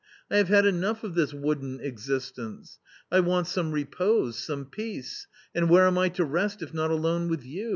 I have had enough of this wooden existence ! I want some repose, some peace ; and where am I to rest if not alone with you